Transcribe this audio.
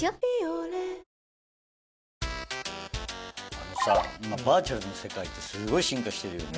あのさ今バーチャルの世界ってすごい進化してるよね。